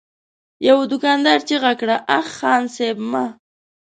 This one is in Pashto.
يوه دوکاندار چيغه کړه: اه! خان صيب! مه!